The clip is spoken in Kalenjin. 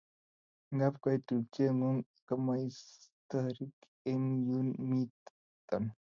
Ngabkoit tupchengung komoistokri eng Yun mito